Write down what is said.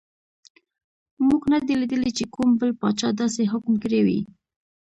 موږ نه دي لیدلي چې کوم بل پاچا داسې حکم کړی وي.